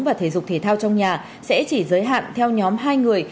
và thể dục thể thao trong nhà sẽ chỉ giới hạn theo nhóm hai người